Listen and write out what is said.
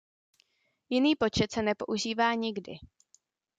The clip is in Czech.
Jiný počet se nepoužívá nikdy.